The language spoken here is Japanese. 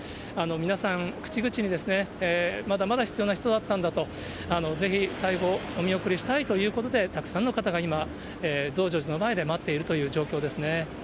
皆さん、口々にまだまだ必要な人だったんだと、ぜひ、最後、見送りしたいということで、たくさんの方が今、増上寺の前で待っているという状況ですね。